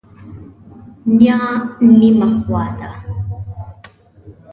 نیا نیمه خوا ده.